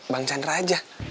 bang chandra aja